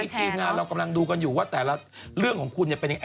มีอะไรมาแชร์นะว่าแต่ละเรื่องของคุณเนี่ยเป็นยังไง